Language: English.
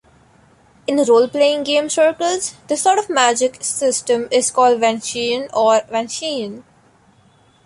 In role-playing game circles, this sort of magic system is called 'Vancian' or 'Vancean'.